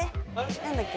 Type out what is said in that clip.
何だっけ？